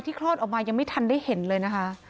คลอดออกมายังไม่ทันได้เห็นเลยนะคะ